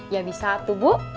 ya bisa tuh bu